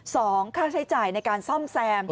ค่าใช้จ่ายในการซ่อมแซม